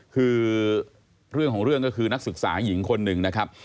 คือเรื่องของเรื่องก็คือนักศึกษาหญิงคนหนึ่งนะครับ